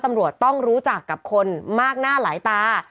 ตำรวจต้องรู้จักกับคนมากหน้าหลายตา